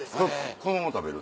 このまま食べる？